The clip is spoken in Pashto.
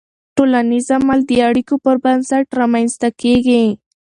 ټولنیز عمل د اړیکو پر بنسټ رامنځته کېږي.